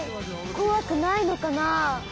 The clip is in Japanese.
こわくないのかな？